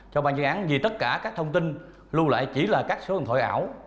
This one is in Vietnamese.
cho ban chương án vì tất cả các thông tin lưu lại chỉ là các số điện thoại ảo